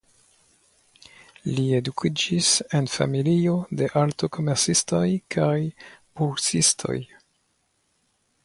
Li edukiĝis en familio de artokomercistoj kaj bursistoj.